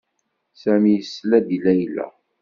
Sami yesla-d i Layla.